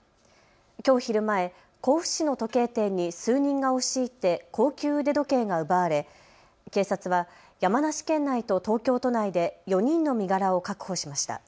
きょう昼前、甲府市の時計店に数人が押し入って高級腕時計が奪われ警察は山梨県内と東京都内で４人の身柄を確保しました。